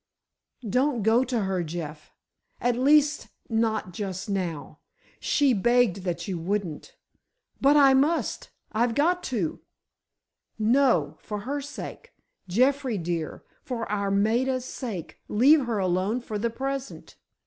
"Don't go to her, Jeff. At least, not just now. She begged that you wouldn't——" "But I must—I've got to!" "No; for her sake—Jeffrey dear, for our Maida's sake, leave her alone for the present.